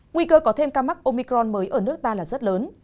nguy cơ có thêm ca mắc omicron mới ở nước ta là rất lớn